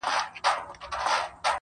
څنگه دي هېره كړمه.